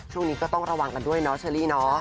ช่วงนี้ก็ต้องระวังกันด้วยเนาะเชอรี่เนาะ